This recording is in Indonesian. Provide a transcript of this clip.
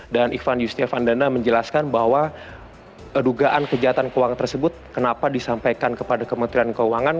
dan ivan yustiavandana menjelaskan bahwa dugaan kejahatan keuangan tersebut kenapa disampaikan kepada kementerian keuangan